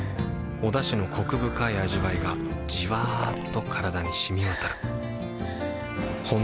おだしのコク深い味わいがじわっと体に染み渡るはぁ。